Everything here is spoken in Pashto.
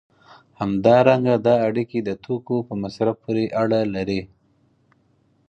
همدارنګه دا اړیکې د توکو په مصرف پورې اړه لري.